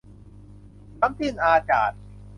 น้ำจิ้มอาจาด